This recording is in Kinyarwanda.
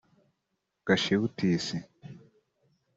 Gashibutisi